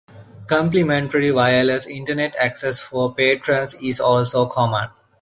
Complimentary wireless Internet access for patrons is also common.